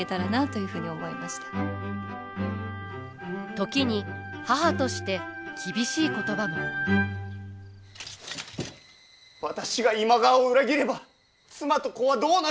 時に母として私が今川を裏切れば妻と子はどうなるか！